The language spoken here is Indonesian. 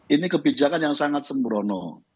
ini kebijakan yang sangat sembrono